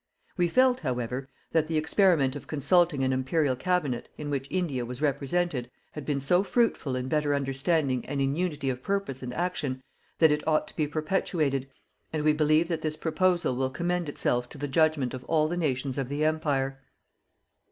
We felt, however, that the experiment of consulting an Imperial Cabinet in which India was represented had been so fruitful in better understanding and in unity of purpose and action that it ought to be perpetuated, and we believe that this proposal will commend itself to the judgment of all the nations of the Empire.